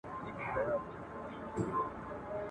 له آمو تر ګل سرخه هر لوېشت مي شالمار کې !.